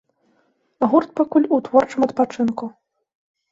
Гурт пакуль у творчым адпачынку.